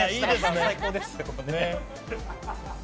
最高ですね。